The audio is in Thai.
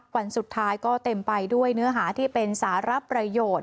วันสุดท้ายก็เต็มไปด้วยเนื้อหาที่เป็นสารประโยชน์